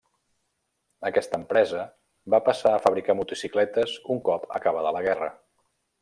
Aquesta empresa va passar a fabricar motocicletes un cop acabada la guerra.